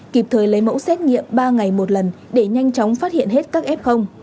kịp thời lấy mẫu xét nghiệm ba ngày một lần để nhanh chóng phát hiện hết các f